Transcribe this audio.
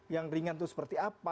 yang ringan itu seperti apa